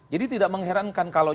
jadi tidak mengherankan kalau